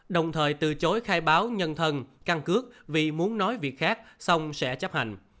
đồng thời từ chối khai báo nhân thân căn cước vì muốn nói việc khác xong sẽ chấp hành